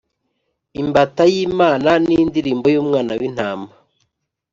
imbata y’imana, n’indirimbo y’umwana w’intama.